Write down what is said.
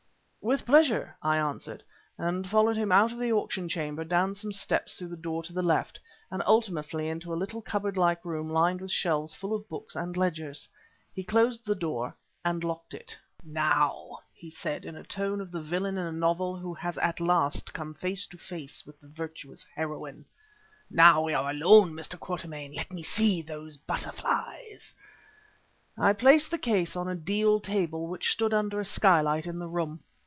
"With pleasure," I answered, and followed him out of the auction chamber down some steps through the door to the left, and ultimately into a little cupboard like room lined with shelves full of books and ledgers. He closed the door and locked it. "Now," he said in a tone of the villain in a novel who at last has come face to face with the virtuous heroine, "now we are alone. Mr. Quatermain, let me see those butterflies." I placed the case on a deal table which stood under a skylight in the room.